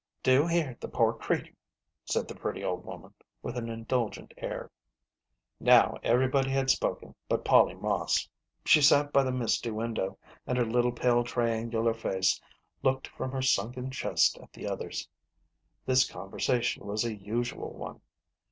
" Do hear the poor cretur," said the pretty old woman, with an indulgent air. Now everybody had spoken but Polly Moss. She sat by the misty window, and her little pale triangular face looked from her sunken chest at the others. This conver sation was a usual one.